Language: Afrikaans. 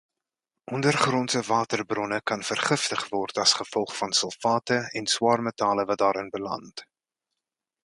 Ondergrondse waterbronne kan vergiftig word as gevolg van sulfate en swaarmetale wat daarin beland.